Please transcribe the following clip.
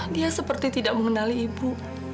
dia seperti tidak mengenali ibu